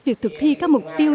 việc thực thi các mục tiêu